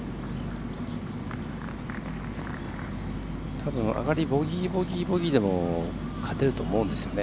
たぶん上がりボギー、ボギー、ボギーでも勝てると思うんですよね。